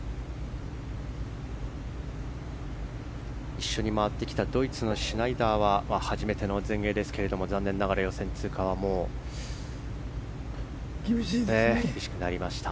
一緒に回ってきたドイツのシュナイダーは初めての全英ですが残念ながら、予選通過はもう、厳しくなりました。